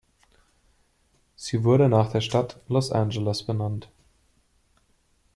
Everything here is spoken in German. Sie wurde nach der Stadt Los Angeles benannt.